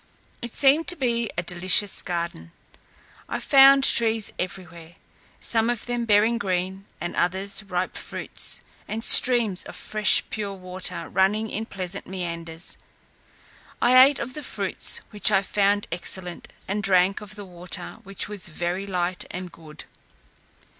It seemed to be a delicious garden. I found trees everywhere, some of them bearing green, and others ripe fruits, and streams of fresh pure water running in pleasant meanders. I ate of the fruits, which I found excellent; and drank of the water, which was very light and good.